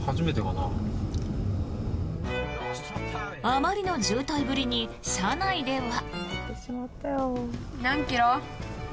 あまりの渋滞ぶりに車内では。